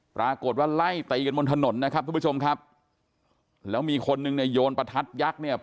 ปรากฏว่าไล่ตีกันบนถนนนะครับทุกผู้ชมครับแล้วมีคนนึงเนี่ยโยนประทัดยักษ์เนี่ย